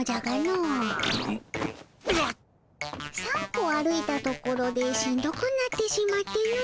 ３歩歩いたところでしんどくなってしまっての。